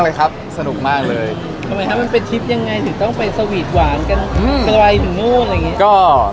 เพราะว่ามันก็ไว้ถึงโน้น